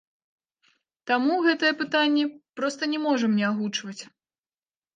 Таму гэтае пытанне проста не можам не агучваць.